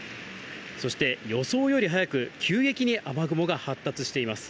そして、予想より早く急激に雨雲が発達しています。